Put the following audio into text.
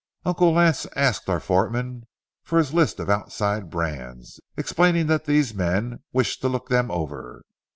Uncle Lance asked our foreman for his list of outside brands, explaining that these men wished to look them over.